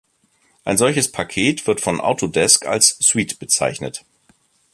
Ein solches Paket wird von Autodesk als „Suite“ bezeichnet.